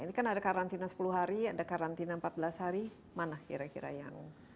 ini kan ada karantina sepuluh hari ada karantina empat belas hari mana kira kira yang